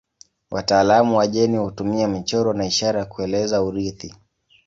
Wataalamu wa jeni hutumia michoro na ishara kueleza urithi.